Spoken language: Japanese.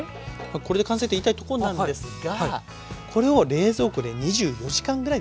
これで完成って言いたいとこなんですがこれを冷蔵庫で２４時間ぐらいですね